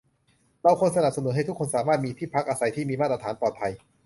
เราควรสนับสนุนให้คนทุกคนสามารถมีที่พักอาศัยที่มีมาตรฐาน ปลอดภัย